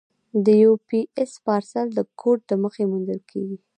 د یو پي ایس پارسل د کوډ له مخې موندل کېږي.